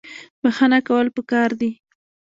بخښنه کول پکار دي